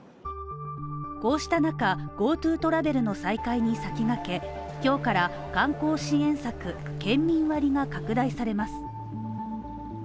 こうした中、ＧｏＴｏトラベルの再開に先駆け今日から観光支援策、県民割が拡大されます。